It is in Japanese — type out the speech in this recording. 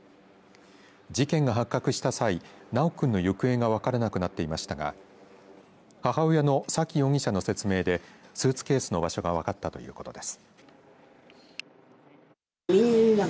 事件が発覚した際、修君の行方が分からなくなっていましたが母親の沙喜容疑者の説明でスーツケースの場所が分かったということです。